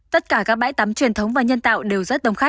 tất cả các bãi tắm truyền thống và nhân tạo